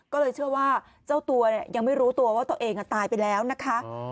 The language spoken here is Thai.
ก็เลยเชื่อว่าเจ้าตัวยังไม่รู้ตัวว่าตัวเองตายไปแล้วนะคะ